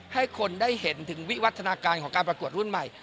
ให้คนได้เห็นถึงวิวัฒนาการของการประกวดรุ่นใหม่